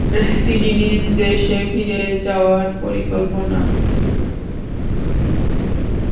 তিনি নিজ দেশে ফিরে যাওয়ার পরিকল্পনা